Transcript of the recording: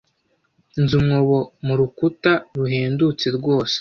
Nzi umwobo murukuta ruhendutse rwose.